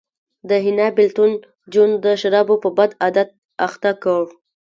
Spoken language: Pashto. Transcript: د حنا بېلتون جون د شرابو په بد عادت اخته کړ